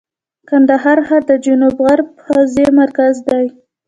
کندهار ښار د جنوب غرب حوزې مرکز دی.